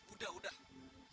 udah udah cukup